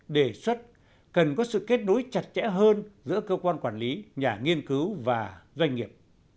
đề xuất cần có sự kết nối chặt chẽ hơn giữa cơ quan quản lý nhà nghiên cứu và doanh nghiệp